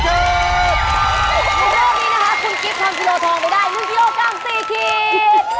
ในเรื่องนี้นะคะคุณกิฟต์ทำกิโลทองได้ได้วิทยากรรมสี่คีด